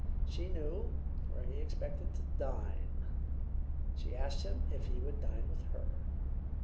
She knew where he expected to dine; she asked him if he would dine with her.